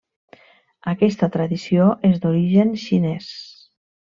Aquesta tradició és d'origen xinès.